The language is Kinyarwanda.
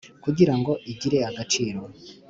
Kugira ngo igire agaciro